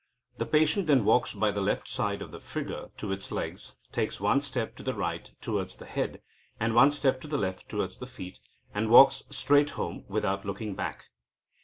The patient then walks by the left side of the figure to its legs, takes one step to the right towards the head, and one step to the left towards the feet, and walks straight home without looking back."